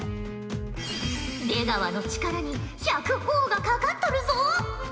出川の力に１００ほぉがかかっとるぞ！